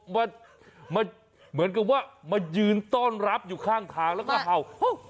มาเหมือนกับว่ามายืนต้อนรับอยู่ข้างทางแล้วก็เห่า